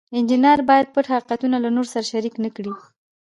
انجینر باید پټ حقیقتونه له نورو سره شریک نکړي.